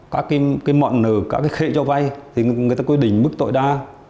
các mọn nở các khệ cho vai người ta quy định mức tội đa